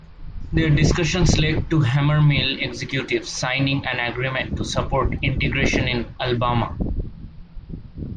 Their discussions led to Hammermill executives signing an agreement to support integration in Alabama.